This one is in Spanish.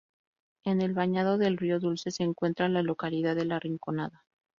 En el Bañado del Río Dulce se encuentra la localidad de La Rinconada.